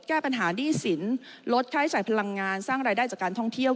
แก้ปัญหาหนี้สินลดค่าใช้จ่ายพลังงานสร้างรายได้จากการท่องเที่ยว